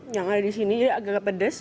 yang ada di sini agak pedas